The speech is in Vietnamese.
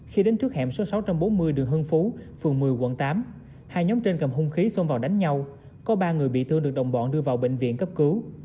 khi đến trước hẻm số sáu trăm bốn mươi đường hưng phú phường một mươi quận tám hai nhóm trên cầm hung khí xông vào đánh nhau có ba người bị thương được đồng bọn đưa vào bệnh viện cấp cứu